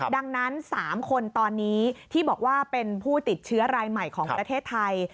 ดังนั้น๓คนตอนนี้ที่บอกว่าเป็นผู้ติดเชื้อรายใหม่ของประเทศไทย